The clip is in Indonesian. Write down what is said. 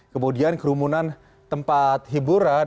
kemudian kerumunan tempat hiburan